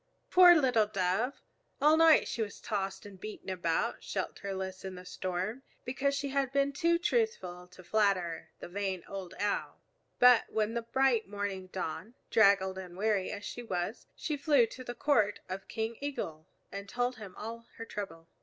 Poor little Dove! All night she was tossed and beaten about shelterless in the storm, because she had been too truthful to flatter the vain old Owl. But when the bright morning dawned, draggled and weary as she was, she flew to the court of King Eagle and told him all her trouble.